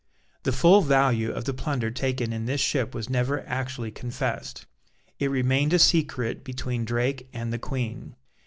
The full value of the plunder taken in this ship was never actually confessed. It remained a secret between Drake and the Queen.